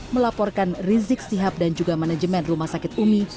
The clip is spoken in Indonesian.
melaporkan rizik sihab dan juga manajemen rumah sakit umi